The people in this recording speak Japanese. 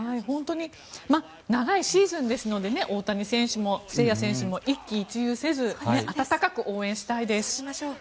長いシーズンですので大谷選手も誠也選手も一喜一憂せず温かく応援したいです。